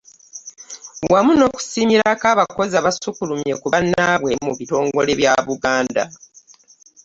Wamu n'okusiimirako abakozi abasukkulumye ku bannaabwe mu bitongole bya Buganda.